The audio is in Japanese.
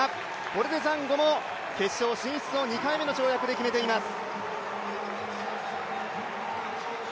これでザンゴも決勝進出を２回目の跳躍で決めています。